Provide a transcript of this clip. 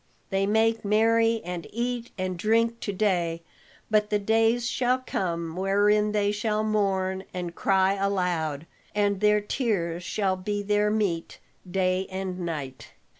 They make merry and eat and drink to day, but the days shall come wherein they shall mourn and cry aloud, and their tears shall be their meat day and night."